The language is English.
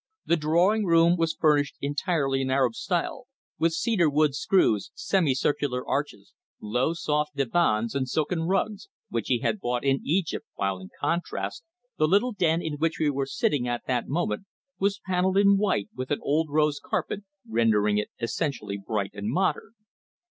The drawing room was furnished entirely in Arab style, with cedar wood screens, semi circular arches, low, soft divans and silken rugs, which he had bought in Egypt, while, in contrast, the little den in which we were sitting at that moment was panelled in white with an old rose carpet, rendering it essentially bright and modern.